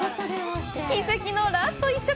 奇跡のラスト１食！